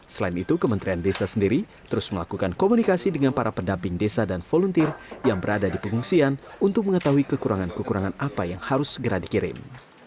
selain itu kementerian desa sendiri terus melakukan komunikasi dengan para pendamping desa dan volunteer yang berada di pengungsian untuk mengetahui kekurangan kekurangan apa yang harus segera dikirim